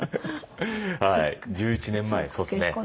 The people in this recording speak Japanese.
はい１１年前そうですね。